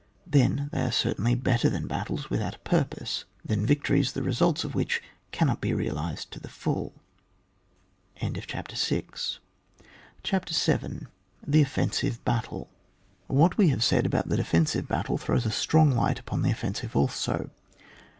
Then they are certainly better than bat tles without a purpose — than victories, the results of which cannot be realised to the full. CHAPTER vn. THE OFFENSIYE BATTLE. What we have said about the defensive battle throws a strong light upon the offensive also.